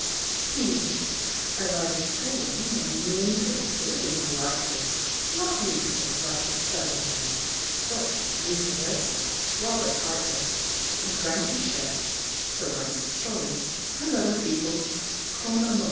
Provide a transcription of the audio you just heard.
He lived as I was saying, when You interrupted, impolitely Not loosely, like his fellow men, But, vic├¬ vers├ó, rather tightly; And drank his share, so runs the story, And other people's, con amore.